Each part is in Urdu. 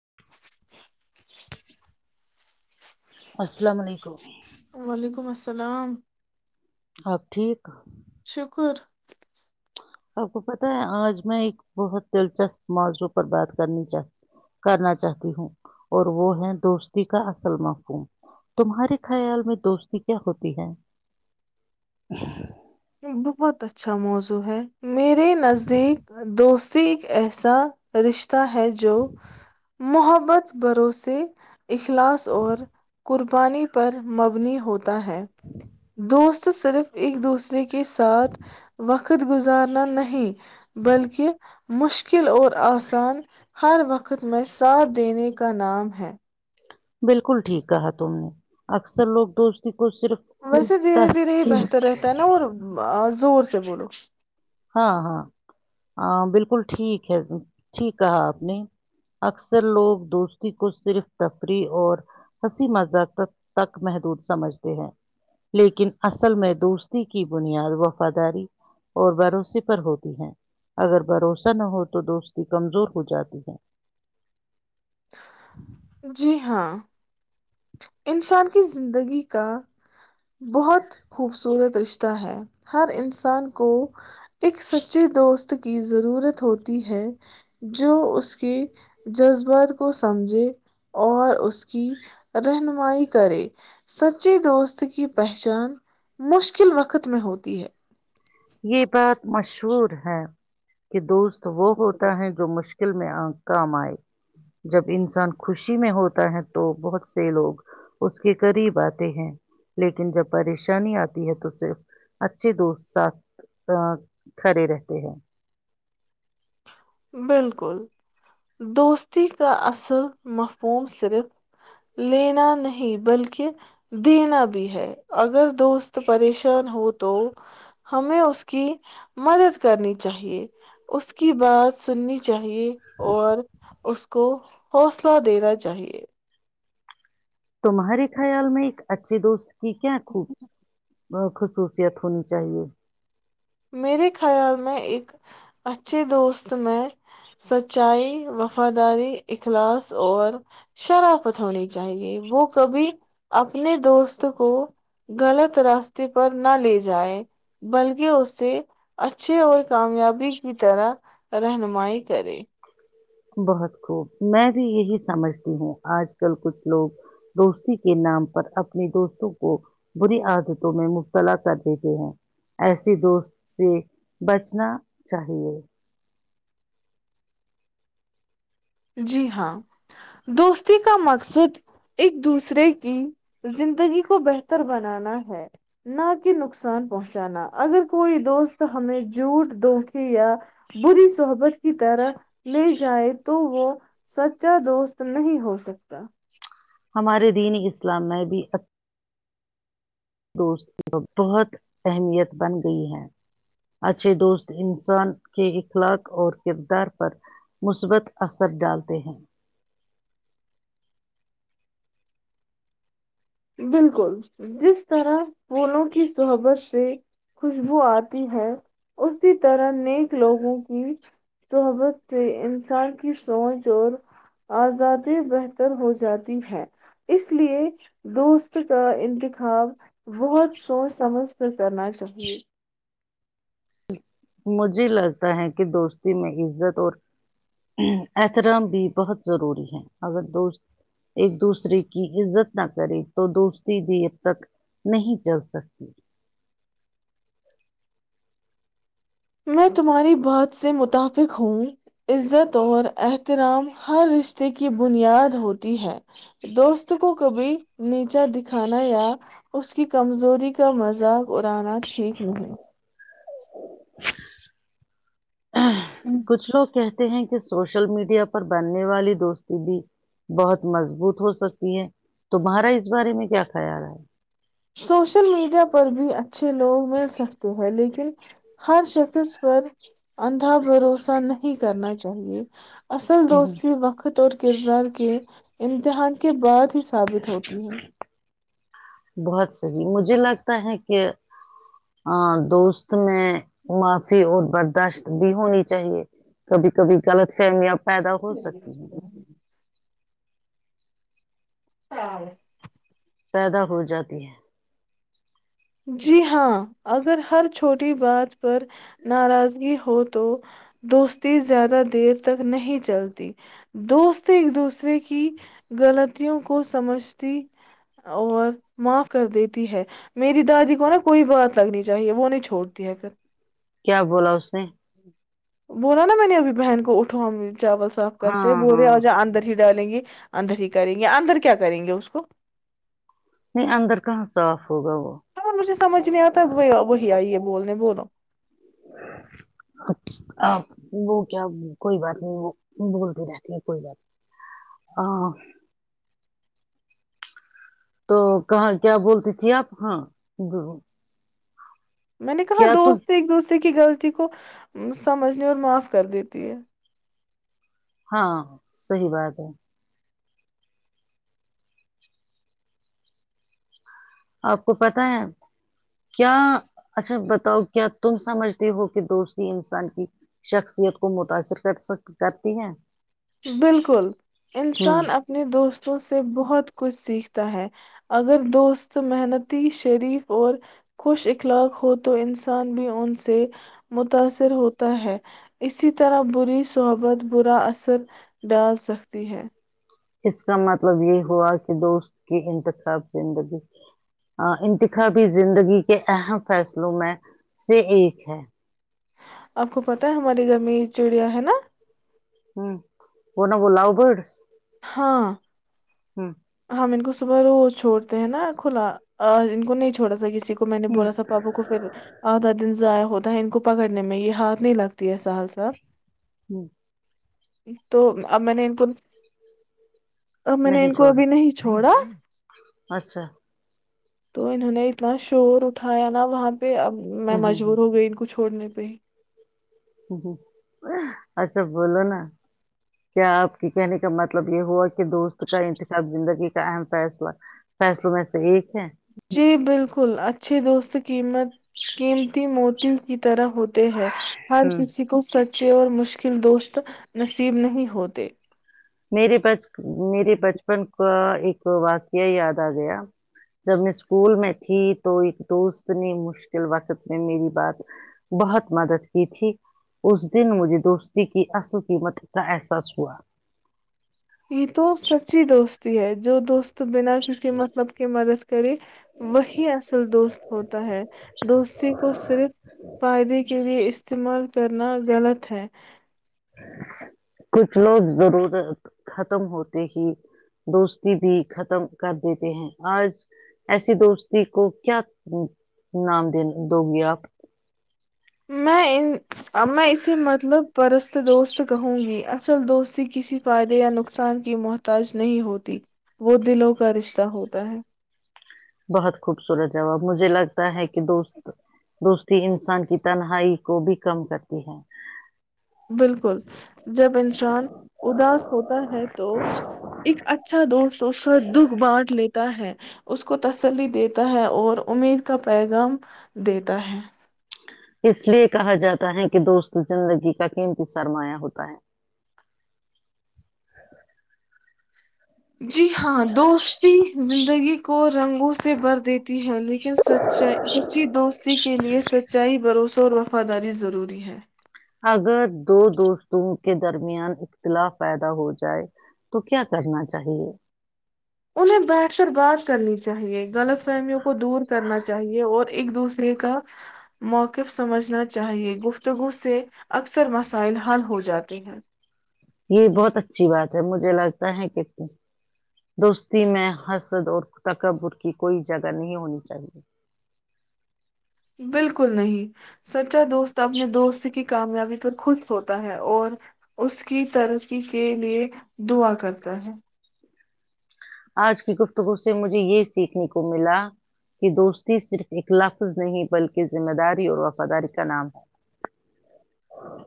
[inaudible] السلام علیکم وعلیکم السلام اب ٹھیک شکر آپ کو پت ہے آج میں ایک بہت دلچسپ موضوع پر بات کرنی چاہ کرنا چاہتی ہوں اور وہ ہے دوستی کا اصل معفوم تمہارے خیال میں دوستی کیا ہوتی ہے بہت اچھا موضوع ہے میرے نزدیک دوستی ایک ایسا رشتہ ہے جو محبت مت بھروسے اخلاص اور قرب پانی پر مبنی ہوتی [inaudible] تو صرف ایک دوسرے کے کے ساتھ وقت وقت گزارنا نہیں بلکہ مشکل اور آسان ہر وقت میں ساتھ دینے کا نام ہے بالکل ٹھیک کہا تم نے اکثر لوگ دوست ویسے دھیرے دھیرے ہی بہتر رہتا ہے نا اور زور سے بولو ہاں ہاں ہ بالکل ٹھیک ہے ٹھیک کہا آپ نے اکثر لوگ دوستی کو صرف تفریح اور ہنسی مزاق تک محدود سمجھتے ہیں لیکن اصل میں دوستی کی بنیاد وفاداری اور بھروسیے پر ہوتی ہیں اگر بھروسہ نہ ہو تو دوستی کمزور ہو جاتی ہے جی ہاں انسان کی زندگی کا بہت خوبصورت رشتہ ہے ہر انسان کو ایک سچے دوست کی ضرورت ہوتی ہے جو اس کے جذبات کو سمجھے اور اس کی رہنمائی کرے سچے دوست کی پہچان مشکل وقت میں ہوتی ہے یہ بات مشہور ہے کہ دوست تو وہ ہوتا ہے جو مشکل ل میں کام آئے جب انسان خوشی میں ہوتا ہے تو بہت سے لوگ اس کے قریب آتے ہیں لیکن جب پریشانی آتی ہے تو صرف اچھے دوست ساتھ ا کھڑے رہتے ہیں [unintelligible] بالکل دوستی کا اصل مفہوم صرف لینا نہیں بلکہ دینا بھی ہے اگر دوست پریشان ہو تو ہمیں اس کی مدد کرنی چاہیے اس کی بات سنی [unintelligible] چاہیے اور [unintelligible] اس کو حوصلہ دینا چاہیے [unintelligible] تمہارے خیال میں ایک اچھی دوست ٹ کیا آکھوب [unintelligible] خصوصیت ہونی چاہیے میرے خیال میں ایک اچھے دوست میں سچائی وفاداری اخلاص اور شرافت ہونی چاہیے وہ کبھی اپنے دوست کو غلط راستے پر نہ لے جائے بلکہ سے اچھے اور کامیابی کی طرح رہنمائی کرے بہت خوب میں بھی یہی سمجھتی ہوں آج کل کچھ لوگ دوستی کے نام پر اپنی دوستوں کو بری عادتوں میں مبتلا کر دیتے ہیں ایسی دوست سے بچنا چاہی جی ہاں دوستی کا مقصد ایک دوسرے کی زندگی کو بہتر بنانا ہے نہ کہ نقصان پہنچانا اگر کوئی دوست ہمیں جھوٹ دھوکے یا بری صحبت کی طرح لے جائے تو وہ سچا دوست نہیں ہو سکتا ہمارے دین اسلام میں بھی دوست بہت اہمیت بن گئی ہے اچھے دوست انسان کے اخلاق اور کردار پر مثبت اثر ڈالتے ہیں بالکل جس طرح پھولوں کی سحبت سے خوشبو آتی ہے اس کی طرحیک لوگوں کی [unintelligible] سحبت سے انسان کی سوچ اور آزادی بہتر ہو جاتی ہے اس لیے دوست کا انتخاب بہت سوچ سمجھ پ کرنا چاہیے مجھے لگتا ہے کہ دوستی میں عزت اور احترام بھی بہت ضروری ہے اگر دوست ایک دوسرے کی عزت نہ کرے تو دوستی بھی حد تک نہیں چل سکتی میں تمہاری بات سے متفق ہوں عزت اور احترام ہر رشتے کی بنیاد ہوتی ہے دوست کو کبھی نیچا دکھانا یا اس کی کمزوری کا مذاق اڑانا شیخ روحن [inaudible] کچھ لوگ کہتے ہیں کہ سوشل میڈیا پر بننے والی دوستی بھی بہت مضبوط ہو سکتی ہے تمہارا اس بارے میں کیا خیال ہے سوشل میڈیا پر بھی اچھے لوگ مل سکتے ہیں لیکن ہر شخص پر اندھا بھروسہ نہیں کرنا چاہیے اصل ہے دوستی وقت اور کردار کے امتحان کے بعد [unintelligible] ا ثابت ہوتی ہیں [unintelligible] بہت صحی مجھے لگتا ہے کہ دوست میں معافی اور برداشت بھی ہونی چاہیے کبھی کبھی غلط فہمیاں پیدا ہو ہے سکتی ہیں [unintelligible] ہاں [unintelligible] پیدا ہو جاتی ہے [unintelligible] جی ہاں اگر ہر چھوٹی بار پر ناراضگی ہوتی [unintelligible] تو دوستی زیادہ دیر تک نہیں چلتی دوست ایک دوسرے کی غلطوں کو سمجھتی اور معاف کر دیتی ہے [unintelligible] میری دادی کو نا کوئی بات لگنی چاہیے وہ نہیں چھوڑتی ہے پھر کیا بولا اس نے بولا نا میں نےبھی بہن کو اٹھا چاول صاف کرتے ہاں بورے ہاں آ جا اندر ہی [unintelligible] ڈالیں گے اندر ہی کریں گے اندر کیا کریں گے اس کو [unintelligible] نہیں اندر کہاں صاف ہوگا وہ ہاں مجھے سمجھ نہیں آتا وہ وہی آئی ہے بولنے بولو آ وہ کیا کوئی بات نہیں وہ بولتی رہتی ہے کوئی بات [unintelligible] تو کہاں کیا بولتی تھی آپ ہاں گ میں نے کہاں دوست ایک دوستے کی غلط کو سمجھنے اور معاف کر دیتی ہے ہاں صحی بات ہے آپ کو پتا ہے کیا اچھا بتاؤ کیا تم سمجھتے ہو کہ دوستی انسان کی شخصیت کو متاثر کرک کرتی ہے بالکل ہوں انسان اپنے دوست [unintelligible] بچوں سے بہت کچھ سیکھتا ہے اگر دوست محنتی شریف اور خوش اخلاق ہو تو انسان بھی ان سے متاثر ہوتا ہے اسی طرح بری صحبت برا اثر [unintelligible] ڈال سکتی ہے [unintelligible] اس کا مت [unintelligible] مطلب یہ ہوا کہ دوست کی انتخاب زندگی ہ انتخابی زندگی کے اہم فیصلوں میں سے ایک ہے [unintelligible] آپ کو پت ہے ہمارے گھر میں یہ چڑیا ہے نا ہ وہنا بلاو بڑ [unintelligible] ہاں ہاں [unintelligible] ہم ان کو صبح روز چھوڑتے ہیں نا کھلا ان کو نہیں چھوڑا س کسی کو میں نے بولا تھا پابو کو پھر آدھا دن سے ضائع ہوتا ہے ان کو پکڑنے میں یہ ہاتھ نہیں لگتی ہے سہر سل [unintelligible] ہوں [unintelligible] تو اب میں نے ان کو [unintelligible] آ م نے نہیں [unintelligible] کو چھوڑا بھی نہیں چھوڑا [unintelligible] اچھا [unintelligible] تو انہوں نے اتنا شور اٹھایا نا وہاں پہ اب میں ہوں ہوں مجبور ہوں ہو گئی کچھ [unintelligible] تھھوڑ نہیں پ [unintelligible] ہ ہ اچھا بولو نا کیا آپ کی کہنے کا مطلب یہ ہوا کہ [unintelligible] کہ دوست کا انتخاب زندگی [unintelligible] اہم فیصلہ فیصلوں میں سے ایک ہے [unintelligible] جی بالکل اچھی دوست قیمت قیمتی موتی کی [unintelligible] طرح ہوتے ہیں ہر ہوں کسی کو سٹ [unintelligible] اچے اور مشکل دوست نصیب نہیں ہوتے مے میرے بچپن کا ایک واقعہ یاد آ گیا جب میں اسکول میں تھی تو ایک دوست نے مشکل وقت میں میری بات بہت مدد کی تھی اس دن مجھے دوستی کی اصل قیمت کا احساس ہوا یہ تو سچی دوستی ہے جو دوست [unintelligible] بنا کسی مطلب کی مدد کرے وہی اصل دوست ہوتا ہے دوستی کو صرف فائدے کے لیے استعمال کر تنا غلط ہے کچھ لوگ ضرورت ختم ہوتے ہی دوستی بھی ختم کر دیتے ہیں آج ایسی دوستی کو کیا نام دنے دو گے آپ میں ان ا اسے مطلب پرس دوست کہوں گی اصل دوستی کسی فائدے یا نقصان کی محتاج نہیں ہوتی وہ دلوں کا رشتہ ہوتا ہے بہت خوبصورت جواب مجھے لگتا ہے کہ دوست دوستی انسان کی تنہائی کو بھی کم کرتی ہے بالکل جب انسان اداس ہوتا ہے تو ایک اچھا اچھاوش دکھ بانٹ لیتا ہے اس کو تسلی دیتا ہے اور امید کا پیغام دیتا ہے اس لیے کہا جاتا ہے کہ دوست زندگی کا قمتی سرمایہ ہوتا ہے جی ہاں دوستی زندگی کو رنگوں سے بھر دیتی ہے لیکن س سچی دوستی کے لیئے سچائی بھروسوں اور وفاداری ضروری ہے اگر دو دوستوں کے درمیان اختلاف پیدا ہو جائے تو کیا کرنا چاہیے انہیں بیٹھ کر بات کرنی چاہیئے غلط فہمیوں کو دور کرنا چاہیئے اور ایک دوسرے کا موقف سمجھنا چاہیئے گفتگو سے اکثر مسائل حل ہو جاتے ہیں یہ بہت اچھی بات ہے مجھے لگتا ہے کہ دوستی میں حسد اور تکبر کی کوئی جگہ نہیں ہونی چاہیے بالکل نہیں سچا دوست اپنے دوست کی کامیابی پر خود سوتا ہے اور اس کی ترسی کے لیے دعا کرتا ہے آج کی گفتگو سے مجھے یہ سیکھنے کو ملا کہ دوستی صرف ایک لفظ نہیں بلکہ ذمہ داری اور وفاداری کا نام ہے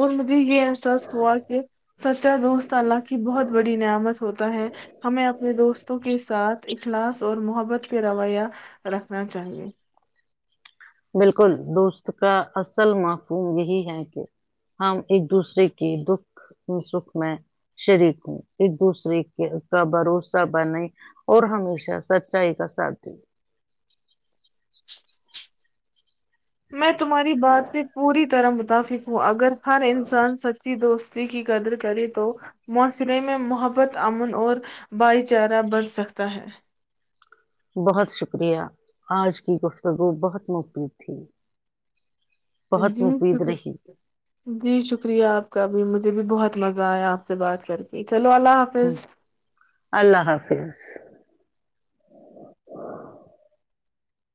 اور مط یہ احساس ہوا کہ سچا دوست اللہ کی بہت بڑی نعمت ہوتا ہے ہمیں اپنے دوستوں کے ساتھ اخلاص اور محبت پہ رویہ رکھنا چاہیے بالکل دوست کا اصل معفوم یہی ہے کہ ہم ایک دوسرے کے دکھ سکھ میں شریک ہوں ایک دوسرے کے کا بھروسہ بنے اور ہمیشہ سچائی کا ساتھ دیں میں تمہاری بات سے پوری طرح م پھر اگر ہر انسان سچی دوست کی قدر کرے تو معاشرے میں محبت امن اور بھائی چارہ بڑھ سکتا ہے بہت شکریہ آج کی گفتگو بہت مفید تھی بہت جی مفید رہی جی شکریہ آپ کابھی مجھے بھی بہت مزہ آیا آپ سے بات کر کے چلو اللہ حافظ اللہ حافظ